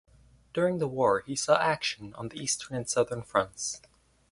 During the war he saw action on the Eastern and Southern Fronts.